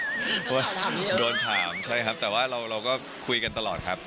เพราะว่าโดนถามใช่ครับแต่ว่าเราก็คุยกันตลอดครับ